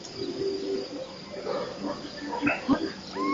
En Barcelona, unos jardines del distrito del Ensanche llevan su nombre.